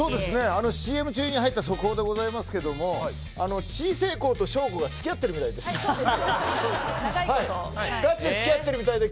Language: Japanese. ＣＭ中に入った速報でございますがちぃせえｋｏｏと、しょーこが付き合ってるみたいです。